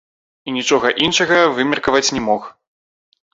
І нічога іншага вымеркаваць не мог.